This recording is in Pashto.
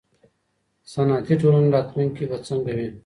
صنعتي ټولنې راتلونکی به څنګه وي.